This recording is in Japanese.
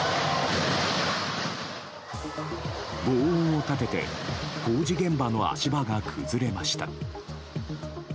轟音を立てて工事現場の足場が崩れました。